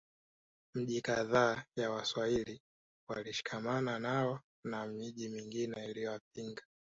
Miji kadhaa ya Waswahili walishikamana nao na miji mingine iliwapinga